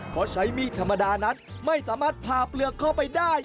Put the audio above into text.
เพราะใช้มีดธรรมดานั้นไม่สามารถผ่าเปลือกเข้าไปได้